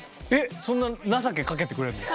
そんな情けかけてくれるの？